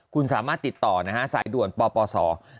คุณสามารถติดต่อนะฮะสายด่วนปปศ